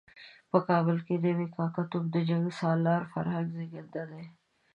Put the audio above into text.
په کابل کې نوی کاکه توب د جنګ سالار فرهنګ زېږنده دی.